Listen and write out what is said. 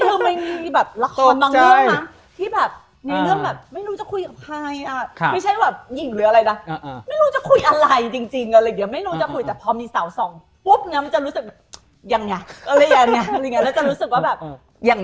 อย่างเนี่ยอะไรอย่างเนี่ยแล้วจะรู้สึกว่าแบบ